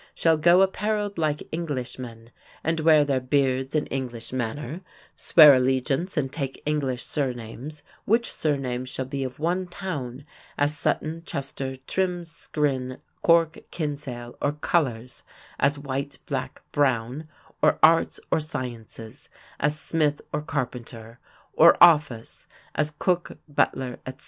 shall go appareled like Englishmen and wear their beards in English manner, swear allegiance and take English sirnames, which sirnames shall be of one towne, as Sutton, Chester, Trim, Skryne, Cork, Kinsale; or colours, as white, black, brown; or arts, or sciences, as smith or carpenter; or office, as cook, butler, etc.